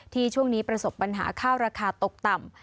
ช่วงนี้ประสบปัญหาข้าวราคาตกต่ำ